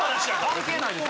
関係ないです。